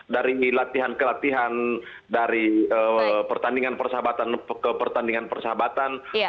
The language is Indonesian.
dari latihan ke latihan dari pertandingan persahabatan ke pertandingan persahabatan